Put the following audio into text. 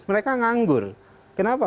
mereka nganggur kenapa